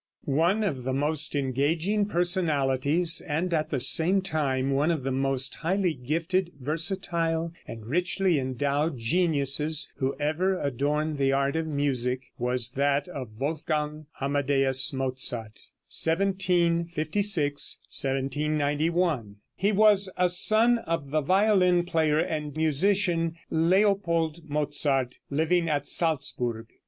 One of the most engaging personalities, and at the same time one of the most highly gifted, versatile and richly endowed geniuses who ever adorned the art of music, was that of Wolfgang Amadeus Mozart (1756 1791). He was a son of the violin player and musician, Leopold Mozart, living at Salzburg.